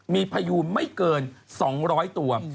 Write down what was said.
มีพยูนไม่เกิน๒๐๐ตัว